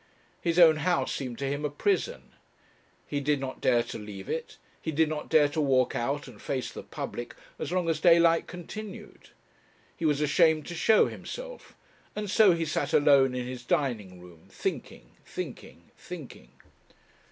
His own house seemed to him a prison. He did not dare to leave it; he did not dare to walk out and face the public as long as daylight continued; he was ashamed to show himself, and so he sat alone in his dining room thinking, thinking, thinking.